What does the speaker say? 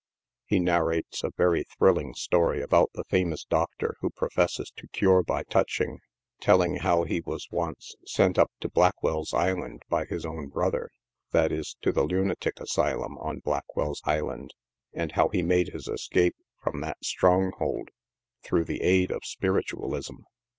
He nar rates a very thrilling story aboat the famous doctor who professes to cure by touching, telling how he was once sent up to Blackwell's Island by his own "brother — that is, to the Lunatic Asylum on Black well's Island — and how he made his escape from that stronghold through the aid of Spiritualism.